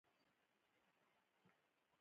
چای د امیدونو پیغام راوړي.